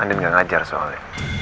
andin gak ngajar soalnya